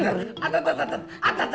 atut atut atut